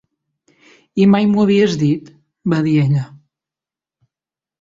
"I mai m'ho havies dit", va dir ella.